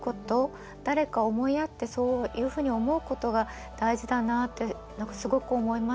誰か思いやってそういうふうに思うことが大事だなって何かすごく思いました。